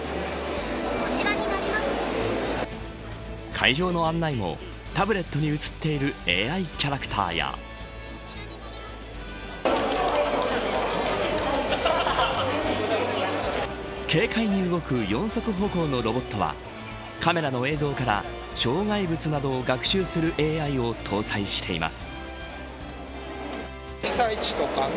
会場の案内もタブレットに映っているＡＩキャラクターや軽快に動く４足歩行のロボットはカメラの映像から障害物などを学習するＡＩを搭載しています。